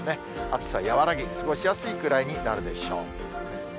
暑さ和らぎ、過ごしやすいくらいになるでしょう。